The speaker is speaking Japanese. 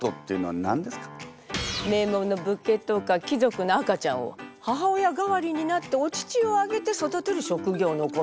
名門の武家とか貴族の赤ちゃんを母親代わりになってお乳をあげて育てる職業のこと。